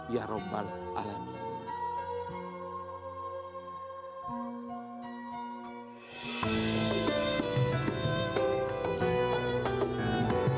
ya rabbal alamin